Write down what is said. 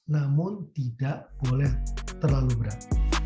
namun tidak boleh terlalu berat